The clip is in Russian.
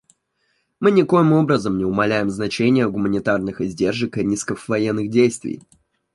Мы никоим образом не умаляем значения гуманитарных издержек и рисков военных действий.